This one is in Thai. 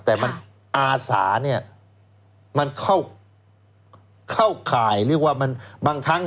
แต่มันอาสาเนี่ยมันเข้าข่ายเรียกว่ามันบางครั้ง